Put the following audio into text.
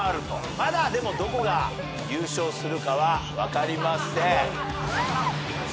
まだでもどこが優勝するかは分かりません。